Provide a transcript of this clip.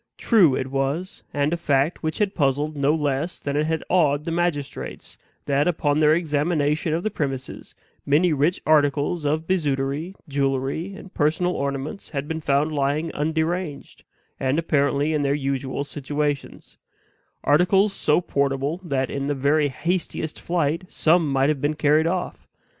True it was, and a fact which had puzzled no less than it had awed the magistrates, that, upon their examination of the premises, many rich articles of bijouterie, jewelry, and personal ornaments, had been found lying underanged, and apparently in their usual situations; articles so portable that in the very hastiest flight some might have been carried off.